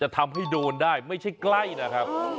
ทำให้โดนได้ไม่ใช่ใกล้นะครับ